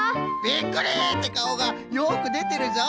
「びっくり！」ってかおがよくでてるぞ！